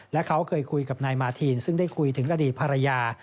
และเขาเคยคุยกับนายมาทีนซึ่งได้คุยถึงอดีตภรรยา